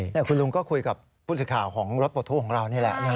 แต่คุณลุงก็คุยกับผู้สื่อข่าวของรถปลดทุกข์ของเรานี่แหละ